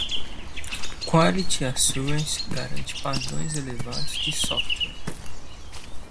Quality Assurance (QA) garante padrões elevados de software.